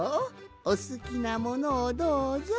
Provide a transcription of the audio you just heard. おすきなものをどうぞ。